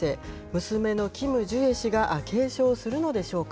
娘のキム・ジュエ氏が継承するのでしょうか。